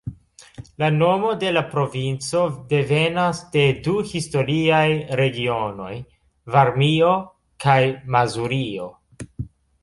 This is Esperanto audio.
La nomo de la provinco devenas de du historiaj regionoj: Varmio kaj Mazurio.